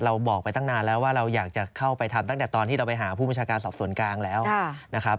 บอกไปตั้งนานแล้วว่าเราอยากจะเข้าไปทำตั้งแต่ตอนที่เราไปหาผู้บัญชาการสอบส่วนกลางแล้วนะครับ